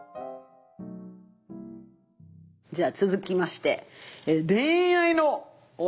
じゃあ続きまして恋愛のお悩みです。